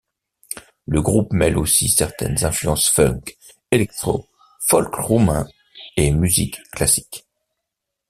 Le groupe mêle aussi certaines influences funk, electro, folk roumain et musique classique.